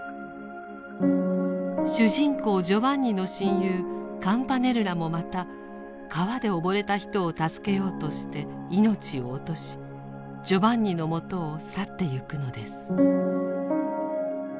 主人公ジョバンニの親友カムパネルラもまた川で溺れた人を助けようとして命を落としジョバンニのもとを去ってゆくのです。